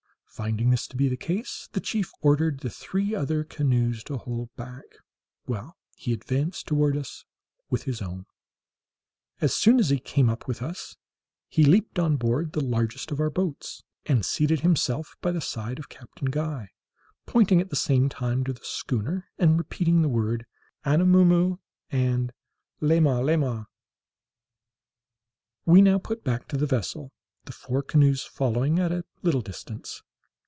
Finding this to be the case, the chief ordered the three other canoes to hold back, while he advanced toward us with his own. As soon as he came up with us he leaped on board the largest of our boats, and seated himself by the side of Captain Guy, pointing at the same time to the schooner, and repeating the word Anamoo moo! and Lama Lama! We now put back to the vessel, the four canoes following at a little distance.